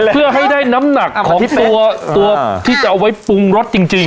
เพื่อให้ได้น้ำหนักของตัวที่จะเอาไว้ปรุงรสจริง